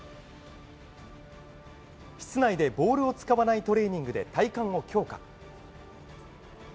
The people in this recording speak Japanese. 室内でボールを使わないトレーニングで体幹を強化。